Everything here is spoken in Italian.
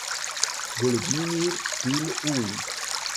Volodymyr Pil'huj